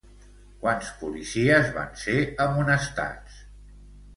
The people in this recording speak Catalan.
Quants policies van ser amonestats?